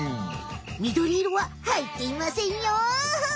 みどり色ははいっていませんよフッ。